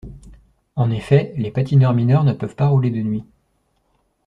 En effet, les patineurs mineurs ne peuvent pas rouler de nuit.